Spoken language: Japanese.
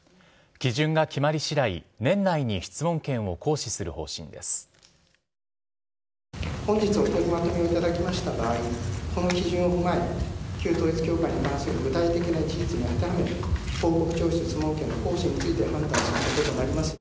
基準が決まりしだい、年内に質問権を行使する方針です。